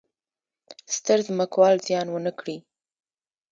ستر ځمکوال زیان ونه کړي.